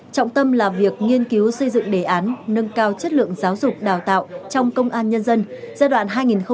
trọng tâm là việc nghiên cứu xây dựng đề án nâng cao chất lượng giáo dục đào tạo trong công an nhân dân giai đoạn hai nghìn hai mươi một hai nghìn ba mươi